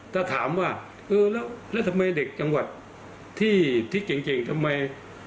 ถ้าถามว่าเออแล้วทำไมเด็กจังหวัดที่เก่งทำไม